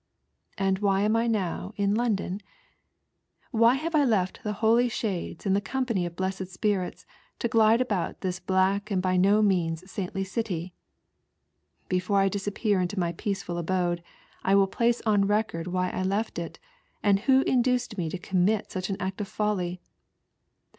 And why I &m I now in London ? "ttlny have I left the holy shades and the company of blessed spirits to glide about this black and by no means saintly city ? Before I disappear into my peaceful abode I will place on record why I left it, and who induced me to commit such an act of folly.